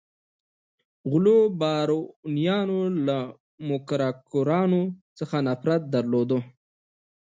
غلو بارونیانو له موکراکرانو څخه نفرت درلود.